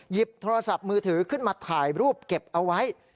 หยิบโทรศัพท์มือถือขึ้นมาถ่ายรูปเก็บเอาไว้